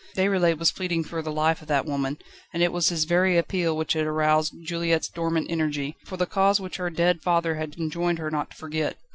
Déroulède was pleading for the life of that woman, and it was his very appeal which had aroused Juliette's dormant energy, for the cause which her dead father had enjoined her not to forget.